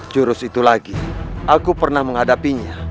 jurus itu lagi aku pernah menghadapinya